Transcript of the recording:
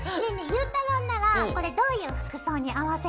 ゆうたろうならこれどういう服装に合わせる？